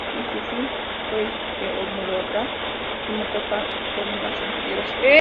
Y su fin fue el de homologar el motor para fórmulas inferiores.